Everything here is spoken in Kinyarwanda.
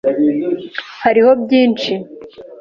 Hariho byinshi.